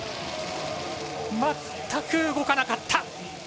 全く動かなかった。